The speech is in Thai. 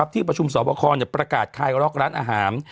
ที่ประชุมสอบคอประกาศคลายล็อกร้านอาหาร